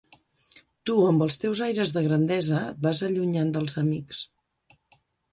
Tu amb els teus aires de grandesa, et vas allunyant dels amics.